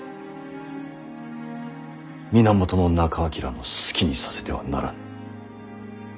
源仲章の好きにさせてはならぬ。